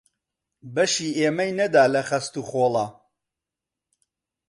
بەشی ئێمەی نەدا لەو خەست و خۆڵە